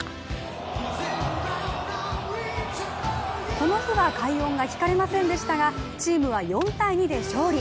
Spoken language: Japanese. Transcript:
この日は快音が聞かれませんでしたが、チームは４ー２で勝利。